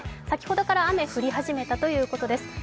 先ほどから雨降り始めたということです。